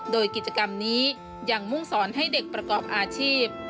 โดยกิจกรรมนี้ยังมุ่งสอนให้เด็กประกอบอาชีพ